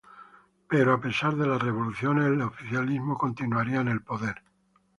Pero a pesar de las revoluciones, el oficialismo continuaría en el poder.